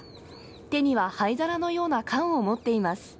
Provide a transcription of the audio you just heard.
手には灰皿のような缶を持っています。